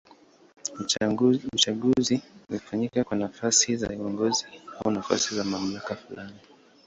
Uchaguzi hufanyika kwa nafasi za uongozi au nafasi za mamlaka fulani.